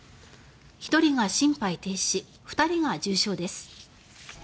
１人が心肺停止２人が重傷です。